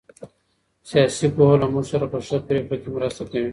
سياسي پوهه له موږ سره په ښه پرېکړه کي مرسته کوي.